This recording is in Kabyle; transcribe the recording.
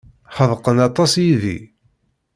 Ḥedqen aṭas yid-i.